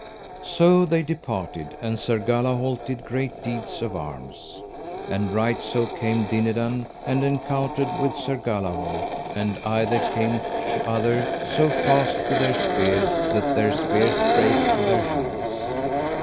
So they departed, and Sir Galahalt did great deeds of arms. And right so came Dinadan and encountered with Sir Galahalt, and either came to other so fast with their spears that their spears brake to their hands.